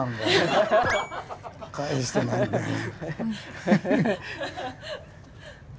返してないんだよね。